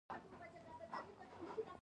ایا درد لرئ؟